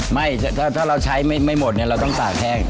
ไม่ถ้าเราใช้ไม่หมดเนี่ยเราต้องตากแห้ง